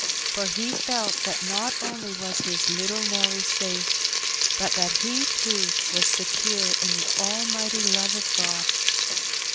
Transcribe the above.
For he felt that not only was his little Nelly safe, but that he, too, was secure in the almighty love of God.